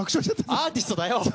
アーティストだよ！